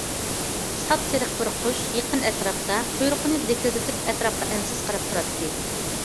ساپسېرىق بىر قۇش يېقىن ئەتراپتا قۇيرۇقىنى لىكىلدىتىپ ئەتراپقا ئەنسىز قاراپ تۇراتتى.